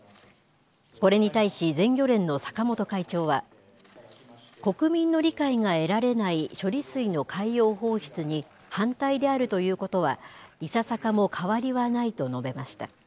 これに対し、全漁連の坂本会長は、国民の理解が得られない処理水の海洋放出に反対であるということは、いささかも変わりはないと述べました。